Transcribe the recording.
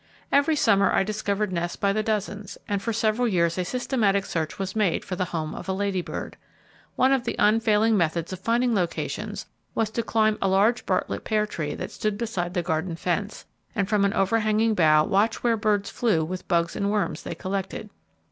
Every summer I discovered nests by the dozen, and for several years a systematic search was made for the home of a Lady Bird. One of the unfailing methods of finding locations was to climb a large Bartlett pear tree that stood beside the garden fence, and from an overhanging bough watch where birds flew with bugs and worms they collected.